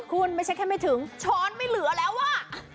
คุณไม่ใช่แค่ไม่ถึงช้อนไม่เหลือแล้วอ่ะ